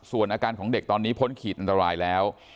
ส่วนอาการของเด็กตอนนี้พ้นขีดอันตรายแล้ว